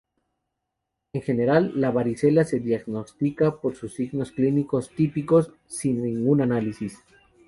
En general, la varicela se diagnostica por sus signos clínicos típicos, sin ningún análisis.